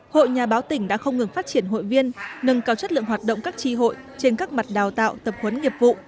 hội nhà báo tỉnh đã không ngừng phát triển hội viên nâng cao chất lượng hoạt động các tri hội trên các mặt đào tạo tập huấn nghiệp vụ